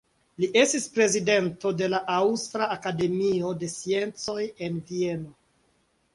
Li estis prezidento de la Aŭstra Akademio de Sciencoj en Vieno.